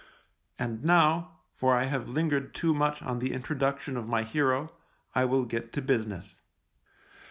And now, for I have lingered too much on the introduction of my hero, I will get to business.